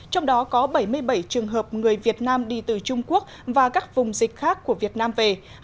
trong đó có bảy mươi bảy trường hợp người việt nam đi từ trung quốc và các vùng dịch khác của việt nam về